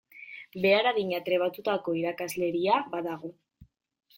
Behar adina trebatutako irakasleria badago.